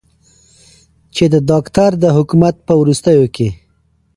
چې د داکتر د حکومت په وروستیو کې